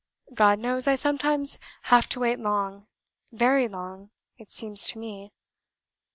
God knows, I sometimes have to wait long VERY long it seems to me.